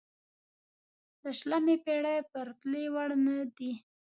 د شلمې پېړۍ پرتلې وړ نه دی.